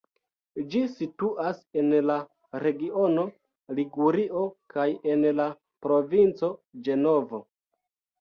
Ĝi situas en la regiono Ligurio kaj en la provinco Ĝenovo.